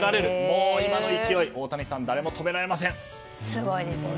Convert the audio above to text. もう今の勢い大谷さん、誰も止められません。